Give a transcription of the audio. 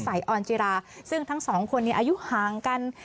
ออนจิราซึ่งทั้งสองคนนี้อายุห่างกัน